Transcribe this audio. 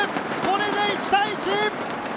これで１対１！